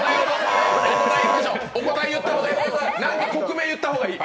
何か国名言った方がいい。